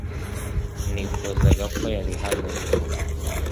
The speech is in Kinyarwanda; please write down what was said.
Nifuzaga ko yari hano ubu .